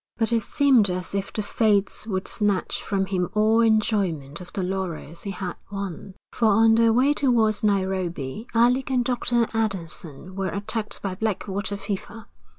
But it seemed as if the fates would snatch from him all enjoyment of the laurels he had won, for on their way towards Nairobi, Alec and Dr. Adamson were attacked by blackwater fever.